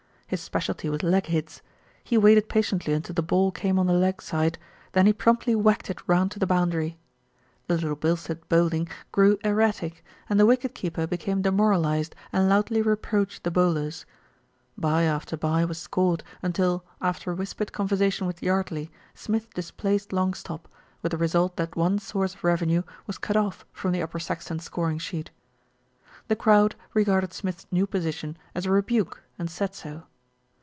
His specialty was leg hits. He waited patiently until the ball came on the leg side, then he promptly whacked it round to the boundary. SMITH BECOMES A POPULAR HERO 197 The Little Bilstead bowling grew erratic, and the wicket keeper became demoralised and loudly re proached the bowlers. Bye after bye was scored until, after a whispered conversation with Yardley, Smith displaced long stop, with the result that one source of revenue was cut off from the Upper Saxton scoring sheet. The crowd regarded Smith's new position as a re buke, and said so.